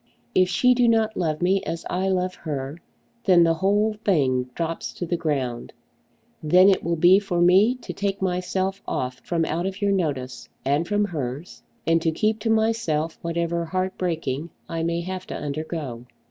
If she do not love me as I love her, then the whole thing drops to the ground. Then it will be for me to take myself off from out of your notice, and from hers, and to keep to myself whatever heart breaking I may have to undergo.